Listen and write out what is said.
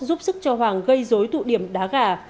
giúp sức cho hoàng gây dối thụ điểm đá gà